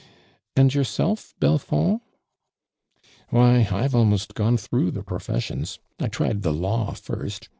" And yourself, Belfond ?'•' Why I've almost gone through tlie pro fessions, I tried the law first.